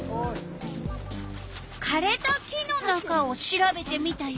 かれた木の中を調べてみたよ。